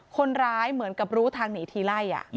คนร้ายเหมือนกับรู้ทางหนีทีไล่